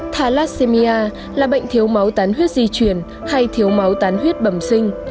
thalassemia là bệnh thiếu máu tán huyết di chuyển hay thiếu máu tán huyết bầm sinh